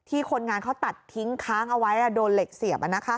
คนงานเขาตัดทิ้งค้างเอาไว้โดนเหล็กเสียบ